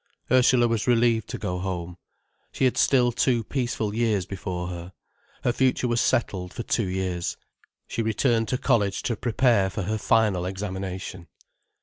Ursula was relieved to go home. She had still two peaceful years before her. Her future was settled for two years. She returned to college to prepare for her final examination.